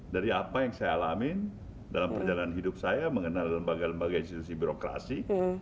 dari apa yang saya alami dalam perjalanan hidup saya mengenal lembaga lembaga institusi birokrasi